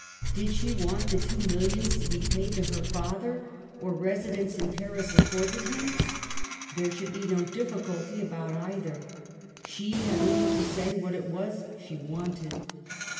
Did she want the two millions to be paid to her father, or residence in Paris accorded him ? There should be no difficulty about either. She had only to say what it was she wanted.